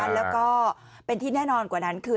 แล้วก็เป็นที่แน่นอนกว่านั้นคือ